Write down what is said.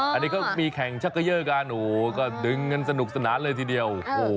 อันนี้ก็มีแข่งชักเกยอร์กันก็ดึงกันสนุกสนานเลยทีเดียว